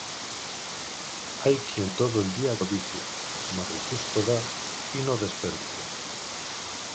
Hay quien todo el día codicia: Mas el justo da, y no desperdicia.